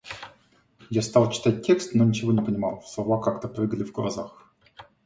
Я стал читать текст, но ничего не понимал, слова как-то прыгали в глазах.